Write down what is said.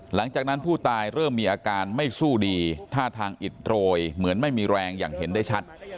หลังจากนั้นผู้ตายเริ่มมีอาการไม่สู้ดีท่าทางอิดโรยเหมือนไม่มีแรงอย่างเห็นได้ชัด